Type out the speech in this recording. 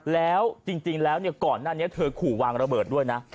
แล้วจริงแล้วก่อนหน้านี้เธอขู่วางระเบิดด้วยนะ